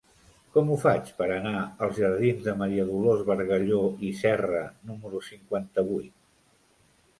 Com ho faig per anar als jardins de Maria Dolors Bargalló i Serra número cinquanta-vuit?